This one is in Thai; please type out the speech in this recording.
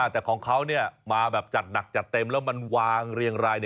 แต่ของเขามาแบบจัดหนักจัดเต็มแล้วมันวางเรียงราย